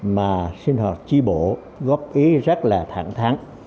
mà sinh hoạt chi bộ góp ý rất là thẳng thẳng